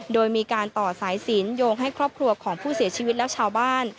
โดยมีการต่อสายสินโยงให้ครอบครัวของผู้เสียชีวิตและชาวบ้าน